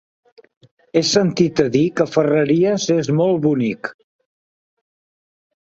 He sentit a dir que Ferreries és molt bonic.